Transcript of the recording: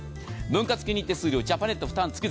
分割金利・手数料ジャパネット負担